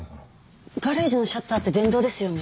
ガレージのシャッターって電動ですよね。